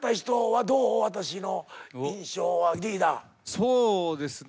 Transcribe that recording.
そうですね